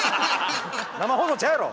生放送ちゃうやろ。